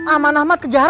aman ahmad kejar